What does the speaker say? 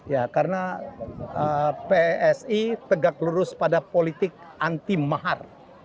ya karena psi tegak lurus pada politik anti mahar